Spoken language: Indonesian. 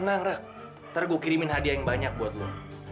nanti gue kirimin hadiah yang banyak buat lo